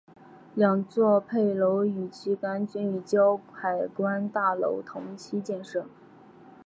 两座配楼与旗杆均与胶海关大楼同期建设。